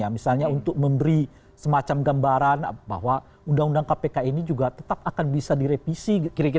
misalnya untuk memberi semacam gambaran bahwa undang undang kpk ini juga tetap akan bisa direvisi